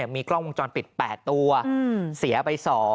มีกล้องวงจรปิด๘ตัวเสียไป๒